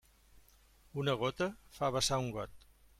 Una gota fa vessar un got.